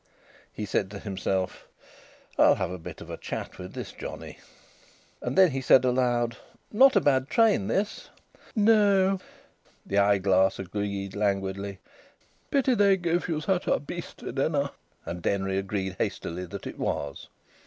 He said to himself: "I'll have a bit of a chat with this johnny." And then he said aloud: "Not a bad train this!" "No!" the eyeglass agreed languidly. "Pity they give you such a beastly dinner!" And Denry agreed hastily that it was.